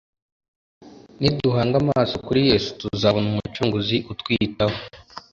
Niduhanga amaso kuri Yesu, tuzabona Umucunguzi utwitaho,